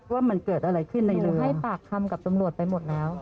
ว่ามันเกิดอะไรขึ้นอะไรอย่างนี้ให้ปากคำกับตำรวจไปหมดแล้ว